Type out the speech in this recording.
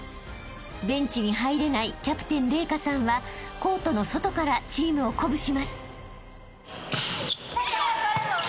［ベンチに入れないキャプテン麗華さんはコートの外からチームを鼓舞します］